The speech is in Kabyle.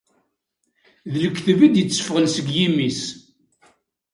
D lekdeb i d-itteffɣen seg yimi-s.